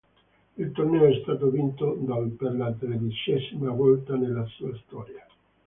Il torneo è stato vinto dal per la tredicesima volta nella sua storia.